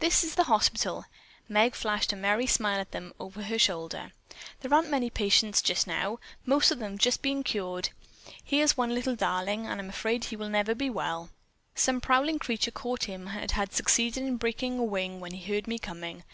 "This is the hospital." Meg flashed a merry smile at them over her shoulder. "There aren't many patients just now. Most of them have been cured. Here's one little darling, and I'm afraid he never will be well. Some prowling creature caught him and had succeeded in breaking a wing when it heard me coming.